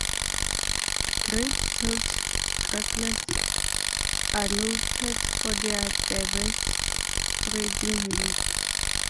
Great-tailed grackles are noted for their diverse foraging habits.